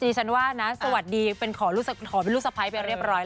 จริงฉันว่านะสวัสดีขอเป็นรูปสไพรค์ไปเรียบร้อย